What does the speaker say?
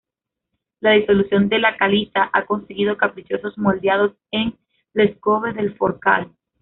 La disolución de la caliza ha conseguido caprichosos moldeados en ""Les Coves del Forcall"".